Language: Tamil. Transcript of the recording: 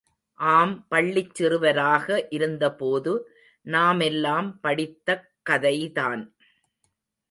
ஆம் பள்ளிச்சிறுவராக இருந்த போது நாமெல்லாம் படித்தக்கதைதான்.